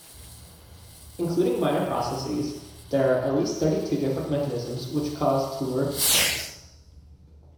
Including minor processes, there are at least thirty-two different mechanisms which cause telluric currents.